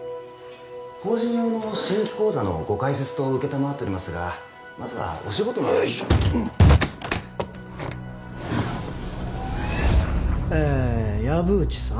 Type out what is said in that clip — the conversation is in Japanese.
法人用の新規口座のご開設と承っておりますがまずはお仕事の内容をよいしょえ薮内さん